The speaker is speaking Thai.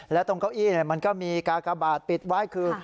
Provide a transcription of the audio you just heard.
และตรงเก้าอี้มันก็มีกากบาทปิดไว้คือ